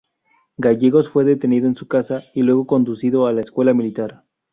Gallegos fue detenido en su casa y luego conducido a la Escuela Militar.